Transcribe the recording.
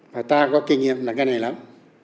và ta có kinh nghiệm là cái này lắm